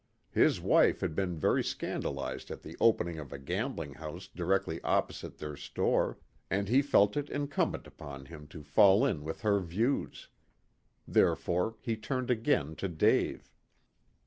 His wife had been very scandalized at the opening of a gambling house directly opposite their store, and he felt it incumbent upon him to fall in with her views. Therefore he turned again to Dave.